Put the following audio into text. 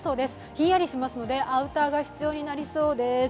ひんやりしますのでアウターが必要になりそうです。